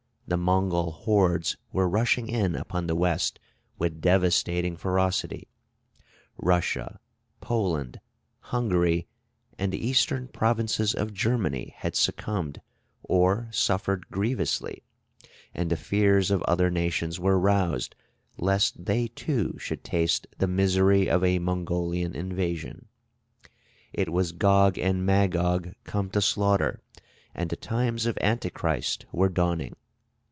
The Mongol hordes were rushing in upon the west with devastating ferocity; Russia, Poland, Hungary, and the eastern provinces of Germany, had succumbed, or suffered grievously; and the fears of other nations were roused lest they too should taste the misery of a Mongolian invasion. It was Gog and Magog come to slaughter, and the times of Antichrist were dawning.